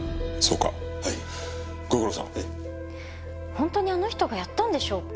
本当にあの人がやったんでしょうか？